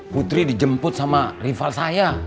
putri dijemput sama rival saya